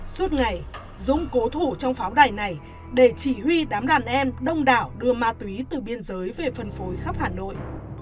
suốt ngày dũng cố thủ trong pháo đài này để chỉ huy đám đàn em đông đảo đưa ma túy từ biên giới về phân phối khắp hà nội